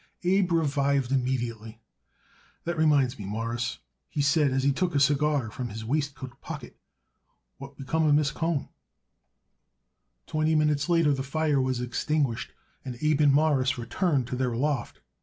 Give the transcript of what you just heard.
Abe revived immediately. "That reminds me, Mawruss," he said as he took a cigar from his waistcoat pocket: "What become of Miss Cohen?" Twenty minutes later the fire was extinguished, and Abe and Morris returned to their loft.